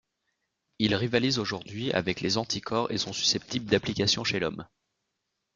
Ils rivalisent aujourd’hui avec les anticorps et sont susceptibles d’applications chez l’Homme.